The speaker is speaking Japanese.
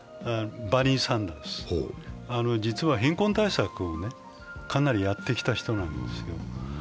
実は貧困対策をかなりやってきた人なんですよ。